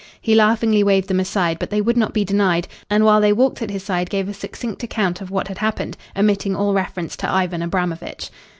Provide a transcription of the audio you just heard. He laughingly waved them aside, but they would not be denied, and while they walked at his side gave a succinct account of what had happened, omitting all reference to Ivan Abramovitch.